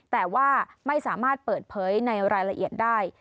แต่ว่าไม่สามารถเปิดเผยในรายละเอียดได้